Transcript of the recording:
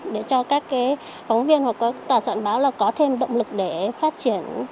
để cho các phóng viên hoặc các tòa sản báo là có thêm động lực để phát triển